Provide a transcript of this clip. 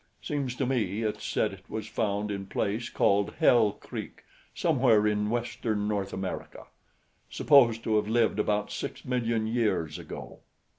Seems to me it said it was found in place called Hell Creek somewhere in western North America. Supposed to have lived about six million years ago."